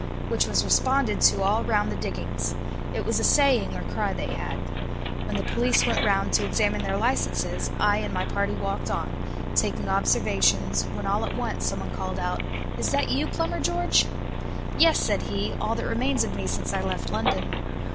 which was responded to all round the diggings. It was a saying or cry they had. When the police went round to examine their licences, I and my party walked on, taking observations, when all at once some one called out, "Is that you, Plumber George?" "Yes," said he, "all that remains of me since I left London."